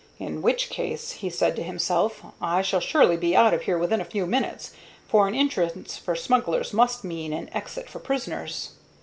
"In which case," he said to himself, "I shall surely be out of here within a few minutes; for an entrance for smugglers must mean an exit for prisoners."